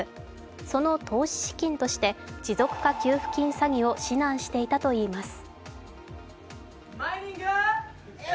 その投資資金として持続化給付金詐欺を指南していたといいます。